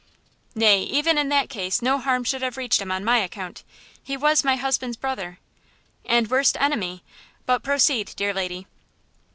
"Nay, even in that case no harm should have reached him on my account. He was my husband's brother." "And worst enemy! But proceed, dear lady."